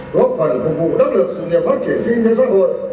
góp phần phục vụ đắc lực sự nghiệp phát triển kinh tế xã hội